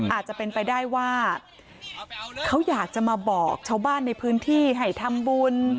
อาจจะเป็นไปได้ว่าเขาอยากจะมาบอกชาวบ้านในพื้นที่ให้ทำบุญ